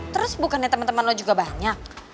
terus bukannya temen temen lo juga banyak